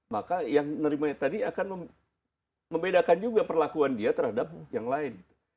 maka yang menerimanya tadi akan membedakan juga perlakuan dia terhadap yang lain